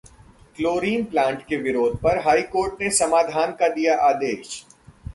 chlorine plant के विरोध पर हाई कोर्ट ने समाधान का दिया आदेश